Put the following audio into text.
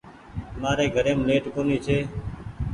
مآري گھريم ليٽ ڪونيٚ ڇي